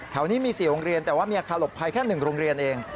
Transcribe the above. นี้มี๔โรงเรียนแต่ว่ามีอาคารหลบภัยแค่๑โรงเรียนเอง